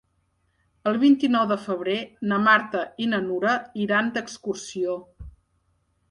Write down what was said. El vint-i-nou de febrer na Marta i na Nura iran d'excursió.